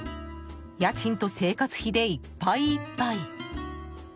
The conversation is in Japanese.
家賃と生活費でいっぱいいっぱい。